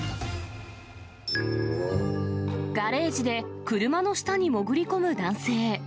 ガレージで車の下に潜り込む男性。